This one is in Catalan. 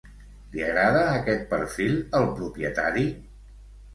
Li agrada aquest perfil al propietari?